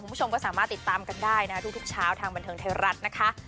คุณผู้ชมก็สามารถติดตามกันได้นะทุกเช้าทางบันเทิงไทยรัฐนะคะ